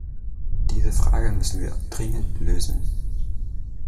Diese Frage müssen wir dringend lösen.